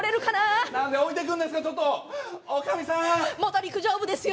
元陸上部ですよ。